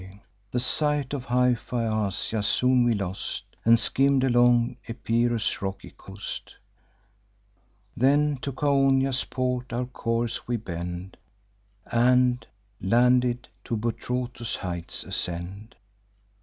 The sight of high Phaeacia soon we lost, And skimm'd along Epirus' rocky coast. "Then to Chaonia's port our course we bend, And, landed, to Buthrotus' heights ascend.